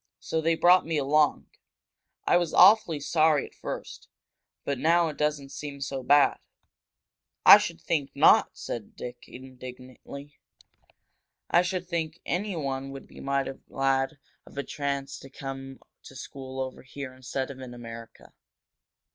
So they brought me along. I was awfully sorry at first, but now it doesn't seem so bad." "I should think not!" said Dick, indignantly. "I should think anyone would be mighty glad of a chance to come to school over here instead of in America!